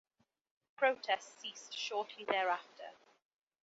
Protests ceased shortly thereafter.